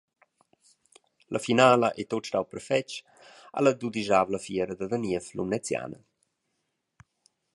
La finala ei tut stau perfetg alla dudischavla fiera da Daniev lumneziana.